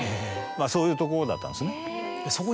そういうとこだったんですね。